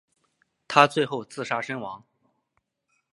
他最后自杀身亡。